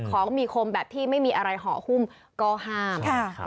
ของมีคมแบบที่ไม่มีอะไรห่อหุ้มก็ห้าม